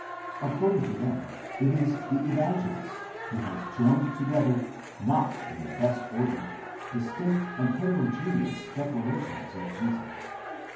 According to them, it is the Evangelist who has joined together, not in the best order, distinct and heterogeneous declarations of Jesus.